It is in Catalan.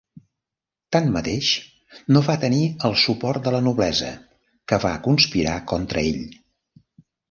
Tanmateix no va tenir el suport de la noblesa, que va conspirar contra ell.